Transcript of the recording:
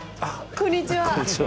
こんにちは。